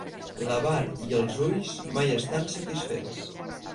L'avar i els ulls mai estan satisfets.